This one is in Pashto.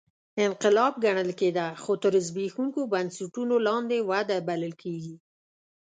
انقلاب ګڼل کېده خو تر زبېښونکو بنسټونو لاندې وده بلل کېږي